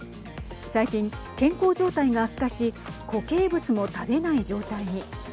最近、健康状態が悪化し固形物も食べない状態に。